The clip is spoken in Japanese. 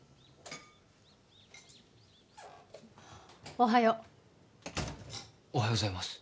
おはようおはようございます